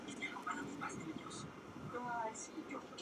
Durante su mandato, el partido estuvo plagado de divisiones internas.